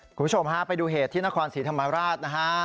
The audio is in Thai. คุณผู้ชมฮะไปดูเหตุที่นครศรีธรรมราชนะฮะ